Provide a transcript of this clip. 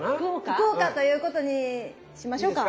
福岡ということにしましょうか？